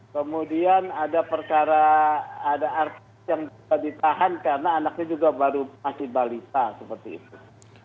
kemudian ada perkara ada artis yang bisa ditahan karena anaknya juga baru masih balita seperti itu